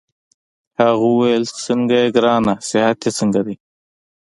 هغه وویل: څنګه يې ګرانه؟ صحت دي څنګه دی؟